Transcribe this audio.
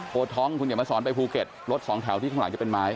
ท้องคุณเขียนมาสอนไปภูเก็ตรถสองแถวที่ข้างหลังจะเป็นไม้